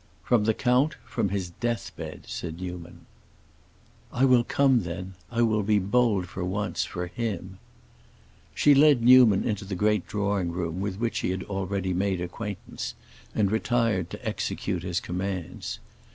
"From the count—from his death bed," said Newman. "I will come, then. I will be bold, for once, for him." She led Newman into the great drawing room with which he had already made acquaintance, and retired to execute his commands.